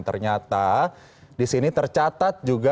ternyata disini tercatat juga